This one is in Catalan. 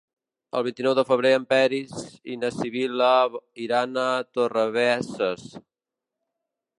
El vint-i-nou de febrer en Peris i na Sibil·la iran a Torrebesses.